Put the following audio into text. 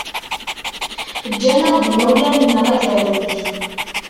Ǧǧan-aɣ-d yimawlan-nneɣ agerruj.